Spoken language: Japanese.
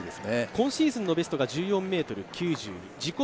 今シーズンのベストが１４ｍ９０自己